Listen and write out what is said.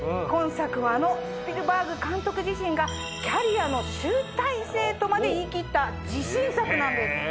今作はあのスピルバーグ監督自身が。とまで言い切った自信作なんです。